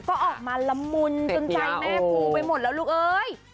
ก็ออกมาละมุนจนใจแม่ฟูไปหมดแล้วลูกเอ้ย